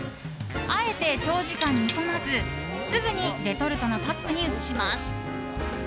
あえて長時間煮込まずすぐにレトルトのパックに移します。